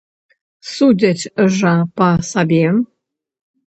Судзяць жа па сабе!